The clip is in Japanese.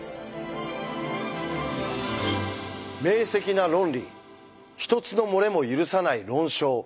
明晰な論理一つの漏れも許さない論証。